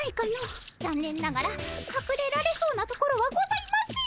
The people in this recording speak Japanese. ざんねんながらかくれられそうなところはございません。